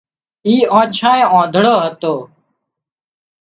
اي آنڇانئي آنڌۯو هتو